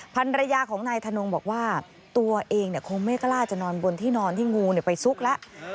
ภรรยาของนายธนงบอกว่าตัวเองคงไม่กล้าจะนอนบนที่นอนที่งูไปซุกแล้ว